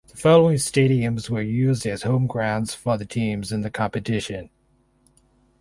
The following stadiums were used as home grounds for the teams in the competition.